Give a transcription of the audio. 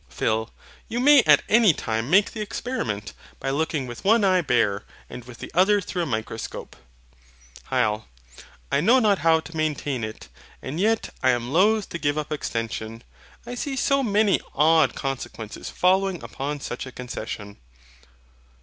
PHIL. You may at any time make the experiment, by looking with one eye bare, and with the other through a microscope. HYL. I know not how to maintain it; and yet I am loath to give up EXTENSION, I see so many odd consequences following upon such a concession.